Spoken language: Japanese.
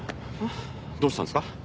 どうしたんですか？